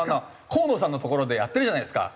河野さんのところでやってるじゃないですか。